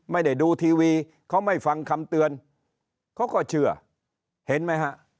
ไม่ได้ดูทีวีเขาไม่ฟังคำเตือนเขาก็เชื่อเห็นไหมฮะ